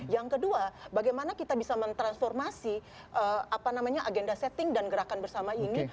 yang kedua bagaimana kita bisa mentransformasi agenda setting dan gerakan bersama ini